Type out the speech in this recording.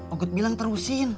agut bilang terusin